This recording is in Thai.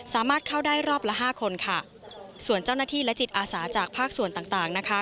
สามารถเข้าได้รอบละห้าคนค่ะส่วนเจ้าหน้าที่และจิตอาสาจากภาคส่วนต่างต่างนะคะ